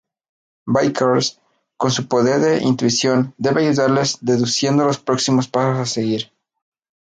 Vickers, con su poder de intuición, debe ayudarles deduciendo los próximos pasos a seguir.